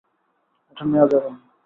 এটা নেয়া যাবে না।